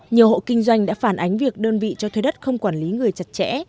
nhiều hộ kinh doanh đã phản ánh việc đơn vị cho thuê đất không quản lý người chặt chẽ